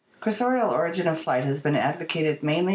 Cursorial origin of flight has been advocated mainly by the Fig.